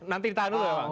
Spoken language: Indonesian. nanti tahan dulu bang